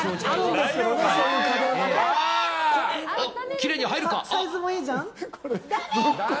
きれいに入るか？